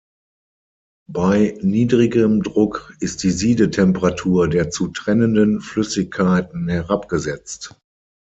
Bei niedrigem Druck ist die Siedetemperatur der zu trennenden Flüssigkeiten herabgesetzt.